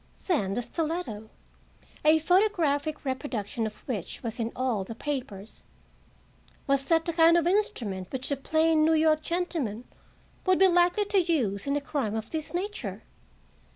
Then the stiletto—a photographic reproduction of which was in all the papers—was that the kind of instrument which a plain New York gentleman would be likely to use In a crime of this nature?